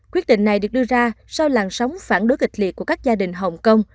quyết định này được đưa ra sau làn sóng phản đối kịch liệt của các gia đình hồng kông